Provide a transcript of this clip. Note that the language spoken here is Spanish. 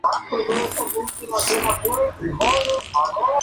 Es el espacio que queda entre las acanaladuras del fuste de una columna.